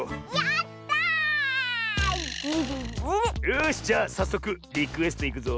よしじゃあさっそくリクエストいくぞ。